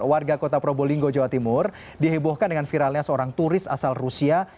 warga kota probolinggo jawa timur dihebohkan dengan viralnya seorang turis asal rusia